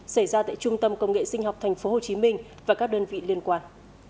xảy ra tại trung tâm công nghệ sinh học tp hcm và các đơn vị liên quan